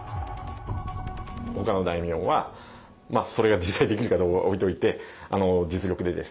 ほかの大名はそれが実際できるかどうかは置いといて実力でですね